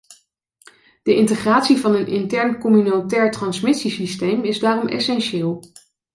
De integratie in een intern communautair transmissiesysteem is daarom essentieel.